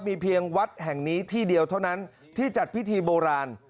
มีเพียงวัดแห่งนี้ที่เดียวเท่านั้นที่จัดพิธีโบราณ